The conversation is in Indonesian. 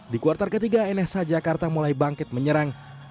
di kuartal ketiga nsh jakarta mulai bangkit menyerang